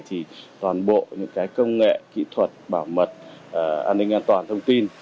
thì toàn bộ những cái công nghệ kỹ thuật bảo mật an ninh an toàn thông tin